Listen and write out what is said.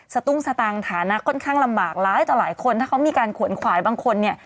สตุ้งสตางค์ฐานะค่อนข้างลำบากหลายคนถ้าเขามีการขวนขวายบางคน